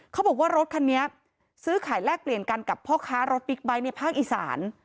เขาบอกว่ารถคันนี้ซื้อขายแลกเปลี่ยนกันกับพ่อค้ารถบิ๊กไบท์ในภาคอีสาน